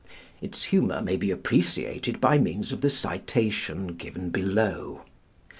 Its humor may be appreciated by means of the citation given below.